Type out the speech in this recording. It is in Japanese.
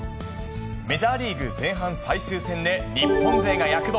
メジャーリーグ前半最終戦で、日本勢が躍動。